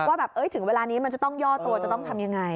ว่าแบบถึงเวลานี้มันจะต้องย่อตัวจะต้องทำยังไง